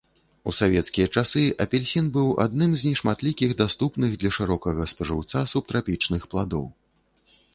У савецкія часы апельсін быў адным з нешматлікіх даступных для шырокага спажыўца субтрапічных пладоў.